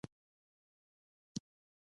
نن مې پټی مینځلي وو.